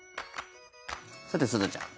さて、すずちゃん。